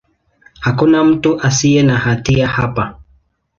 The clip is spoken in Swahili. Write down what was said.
Hakuna mtu asiye na hatia hapa.